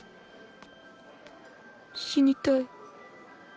死にたい